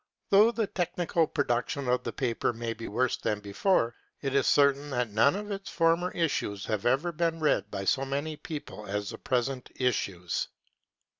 Though the technical production of the paper may be worse than before, it is certain that none of its former issues have ever been read by so many people as the present issues.